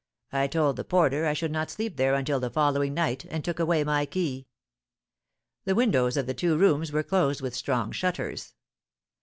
I told the porter I should not sleep there until the following night, and took away my key. The windows of the two rooms were closed with strong shutters.